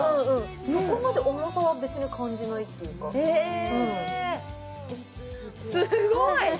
そこまで重さは別に感じないっていうかすごい！